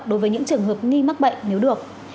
đối với những trường hợp nghi mắc bệnh nếu được